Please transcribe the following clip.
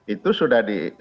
itu sudah saya tanya